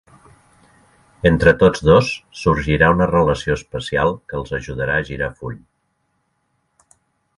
Entre tots dos sorgirà una relació especial que els ajudarà a girar full.